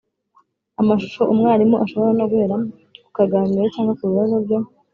amashusho, umwarimu ashobora no guhera ku kaganiro cyangwa ku bibazo byo